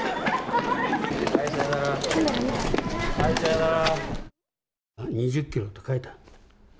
さようなら。